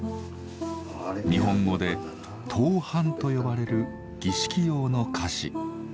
日本語で「糖飯」と呼ばれる儀式用の菓子。